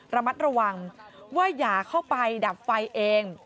ระมัดระวังว่าอย่าเข้าไปดับไฟเอง